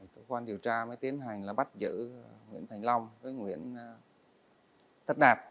cơ quan điều tra mới tiến hành là bắt giữ nguyễn thành long với nguyễn tất đạt